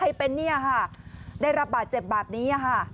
ใกล้เป็นเนี่ยฮะได้รับบาดเจ็บบาดนี้นะฮะ